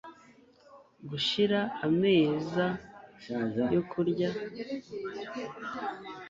gushira ameza yo kurya. dish nyuma yisahani, ashyira ibiryo kumeza